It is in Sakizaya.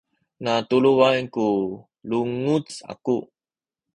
natuluway ku lunguc aku